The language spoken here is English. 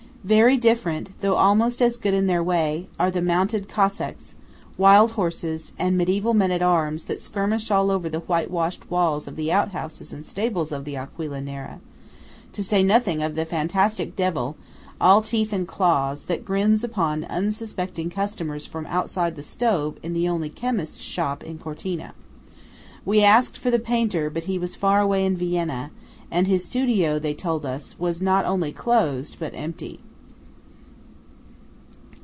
Very different, though almost as good in their way, are the mounted Cossacks, wild horses, and mediæval men at arms that skirmish all over the whitewashed walls of the outhouses and stables of the Aquila Nera; to say nothing of the fantastic devil, all teeth and claws, that grins upon unsuspecting customers from outside the stove in the only chemist's shop in Cortina. We asked for the painter; but he was far away in Vienna, and his studio, they told us, was not only closed but empty.